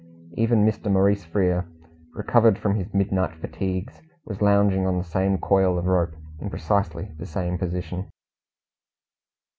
Even Mr. Maurice Frere, recovered from his midnight fatigues, was lounging on the same coil of rope, in precisely the same position.